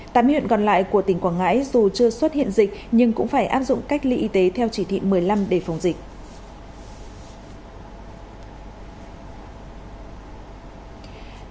tạp hiện gần lại của tỉnh quảng ngãi dù chưa xuất hiện dịch nhưng cũng phải áp dụng cách ly y tế theo chỉ thị một mươi năm đề phòng dịch